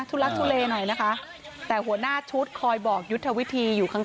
ลักทุเลหน่อยนะคะแต่หัวหน้าชุดคอยบอกยุทธวิธีอยู่ข้างข้าง